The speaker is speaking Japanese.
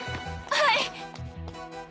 はい！